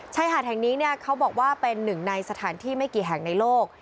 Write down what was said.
ชายหาดแห่งนี้เขาบอกว่าเป็นหนึ่งในสถานที่ไม่กี่แห่งในโลก